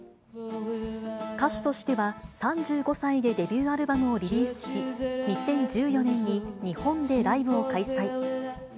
歌手としては３５歳でデビューアルバムをリリースし、２０１４年に日本でライブを開催。